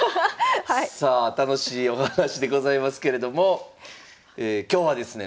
さあ楽しいお話でございますけれども今日はですね